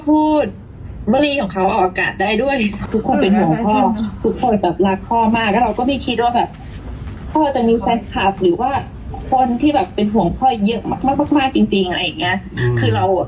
คือเราพ่อพ่อเราตื่นใจมาก